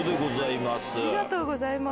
ありがとうございます。